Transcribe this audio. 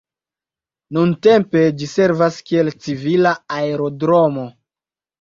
Nuntempe ĝi servas kiel civila aerodromo.